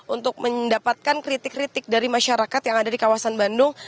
untuk mendapatkan kritik kritik dari masyarakat yang ada di kawasan bandung